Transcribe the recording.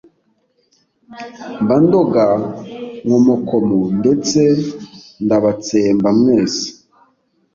, mba ndoga Nkomokomo! Ndetse ndabatsemba mwese